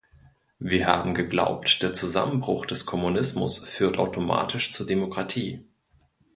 Wir haben geglaubt, der Zusammenbruch des Kommunismus führt automatisch zu Demokratie.